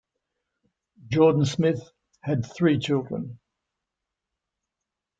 Jordan-Smith had three children.